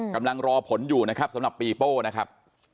กำลังรอผลอยู่นะครับสำหรับปีโป้นะครับ